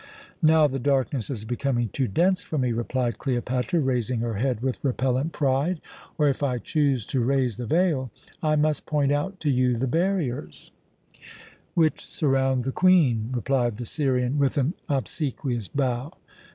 "Now the darkness is becoming too dense for me," replied Cleopatra, raising her head with repellent pride. "Or, if I choose to raise the veil, I must point out to you the barriers " "Which surround the Queen," replied the Syrian with an obsequious bow.